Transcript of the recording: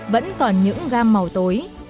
vẫn còn những gam màu tối